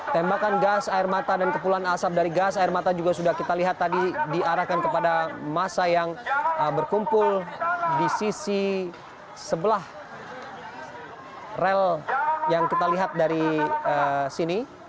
tembakan gas air mata dan kepulan asap dari gas air mata juga sudah kita lihat tadi diarahkan kepada masa yang berkumpul di sisi sebelah rel yang kita lihat dari sini